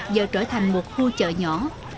giờ trở thành một khu chợ nhỏ